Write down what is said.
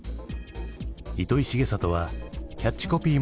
糸井重里はキャッチコピーも担当。